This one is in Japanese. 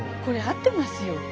これ合ってますよ。